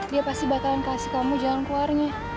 dia pasti bakalan kasih kamu jalan keluarnya